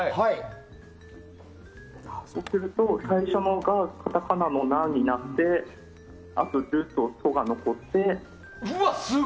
そうすると最初の「た」がカタカナの「ナ」になってあと「る」と「と」が残って。